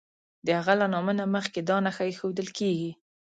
د هغه له نامه نه مخکې دا نښه ایښودل کیږي.